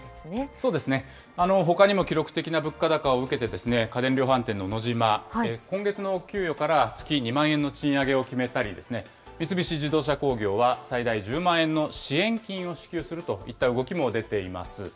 そうですね、ほかにも記録的な物価高を受けて、家電量販店のノジマ、今月の給与から月２万円の賃上げを決めたりですね、三菱自動車工業は最大１０万円の支援金を支給するといった動きも出ています。